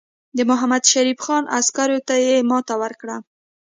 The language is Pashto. د محمدشریف خان عسکرو ته یې ماته ورکړه.